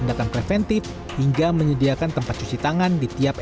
tindakan preventif hingga menyediakan tempat cuci tangan di tiap